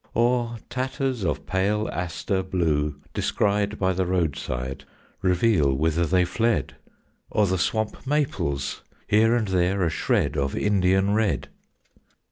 Or tatters of pale aster blue, descried By the roadside, Reveal whither they fled; Or the swamp maples, here and there a shred Of Indian red.